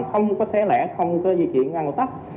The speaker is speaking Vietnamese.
không có xé lẻ không có di chuyển ngang ngột tắc